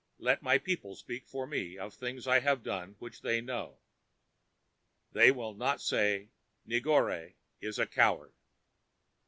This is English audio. Let my people speak for me of things I have done which they know. They will not say Negore is a coward."